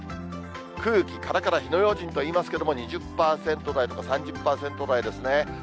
空気からから火の用心といいますけれども、２０％台とか３０％台ですね。